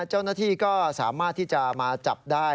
เจ้าหน้าที่ก็สามารถที่จะมาจับได้